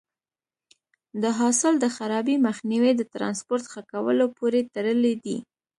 د حاصل د خرابي مخنیوی د ټرانسپورټ ښه کولو پورې تړلی دی.